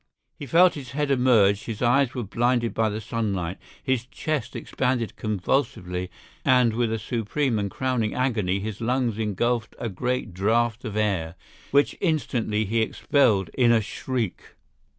He felt his head emerge; his eyes were blinded by the sunlight; his chest expanded convulsively, and with a supreme and crowning agony his lungs engulfed a great draught of air, which instantly he expelled in a shriek!